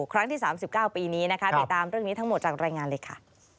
ครั้งที่๓๙ปีนี้นะคะติดตามเรื่องนี้ทั้งหมดจากรายงานเลยค่ะ